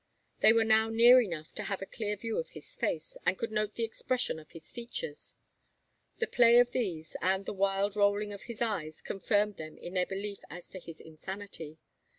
They were now near enough to have a clear view of his face, and could note the expression of his features. The play of these, and the wild rolling of his eyes, confirmed them in their belief as to his insanity.